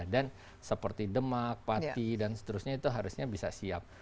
dan seperti demak pati dan seterusnya itu harusnya bisa siap